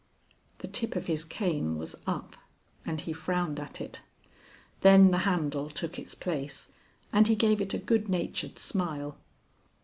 The tip of his cane was up, and he frowned at it. Then the handle took its place, and he gave it a good natured smile.